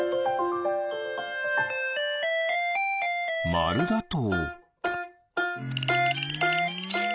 まるだと。